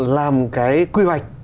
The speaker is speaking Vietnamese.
làm cái quy hoạch